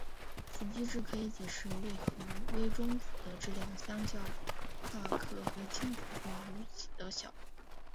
此机制可以解释为何微中子的质量相较夸克和轻子会如此地小。